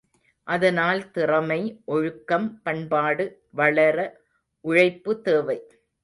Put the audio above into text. அதனால் திறமை, ஒழுக்கம், பண்பாடு வளர உழைப்பு தேவை!